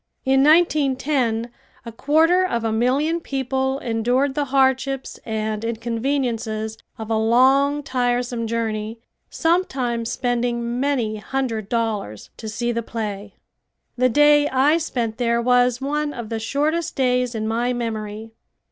In 1910 a quarter of a million people endured the hardships and inconveniences of a long, tiresome journey, sometimes spending many hundred dollars, to see the play. The day I spent there was one of the shortest days in my memory.